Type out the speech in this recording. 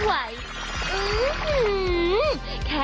สวัสดีครับ